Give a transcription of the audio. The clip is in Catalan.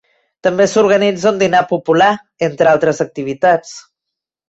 També s’organitza un dinar popular, entre altres activitats.